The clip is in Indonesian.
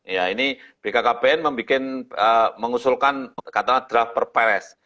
ya ini bkkbn membuat mengusulkan katakanlah draft perpres